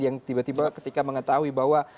yang tiba tiba ketika mengetahui bahwa